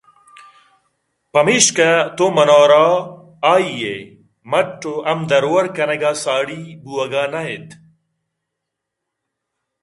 پمیشا تو منارا آئی ءِ مٹّ ءُ ہم درور کنگ ءَ ساڑی بُوئگ ءَ نہ اِت